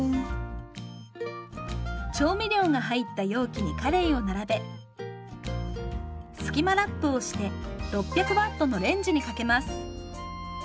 調味料が入った容器にかれいを並べスキマラップをして６００Ｗのレンジにかけます。